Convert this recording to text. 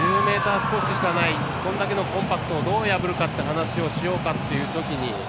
少ししかないこれだけのコンパクトをどう破るかって話をしようかというときに。